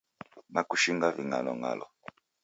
Nakushinga ving'alonga'lo.